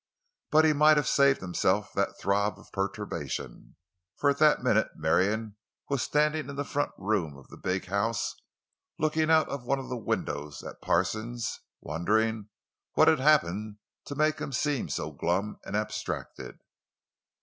But he might have saved himself that throb of perturbation, for at that minute Marion was standing in the front room of the big house, looking out of one of the windows at Parsons, wondering what had happened to make him seem so glum and abstracted.